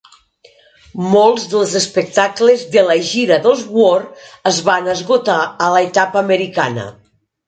Molts dels espectacles de la gira dels War es van esgotar a l'etapa americana.